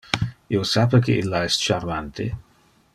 Io sape que illa es charmante.